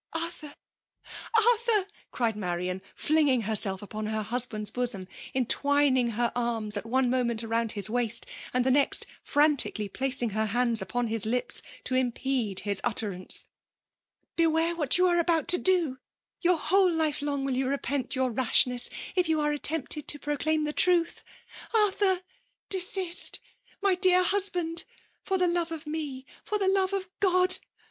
'^ Arthur — ^Arthur!'* cried Mariaa, flinging hers^ iqxm her husband's boscmi, entwina^ her arms aft one moment round his waist, amd tiie next frantieally placing her hands upon his lips, to impede his utterance; —'' Beware wtet you aie about to do,— your whole Hfe long will VMMkVi DOMIMATiaK. 251 you repent your rasfaness, if you are tempted to prodnm the tnitilL Arthur, desist! My dear husband! for the love of f^, for the love of God!